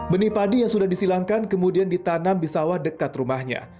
benih padi yang sudah disilangkan kemudian ditanam di sawah dekat rumahnya